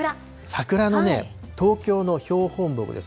桜のね、東京の標本木です。